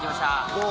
どう？